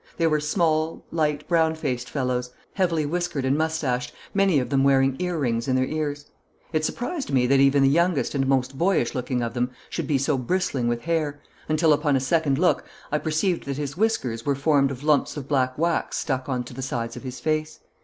They were small, light, brown faced fellows, heavily whiskered and moustached, many of them wearing ear rings in their ears. It surprised me that even the youngest and most boyish looking of them should be so bristling with hair, until, upon a second look, I perceived that his whiskers were formed of lumps of black wax stuck on to the sides of his face.